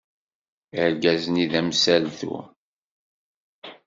Argaz-nni d amsaltu.